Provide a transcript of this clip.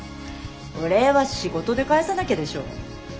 お礼は仕事で返さなきゃでしょ。